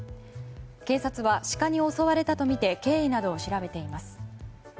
警察は、シカに襲われたとみて経緯などを調べています。